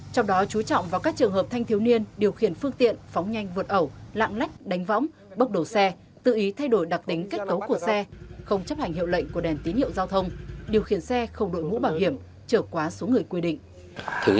trong đó chú trọng vào các trường hợp thanh thiếu niên điều khiển phóng nhanh vượt ẩu lạng lách đánh võng tự ý thay đổi đặc tính kết cấu của xe không chấp hành hiệu lệnh của đèn tín hiệu giao thông điều khiển xe không đội ngũ bảo hiểm trở quá số người quy định